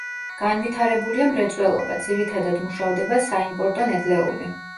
განვითარებულია მრეწველობა, ძირითადად მუშავდება საიმპორტო ნედლეული.